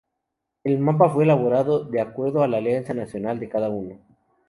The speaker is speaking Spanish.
El mapa fue elaborado de acuerdo a la alianza nacional de cada uno.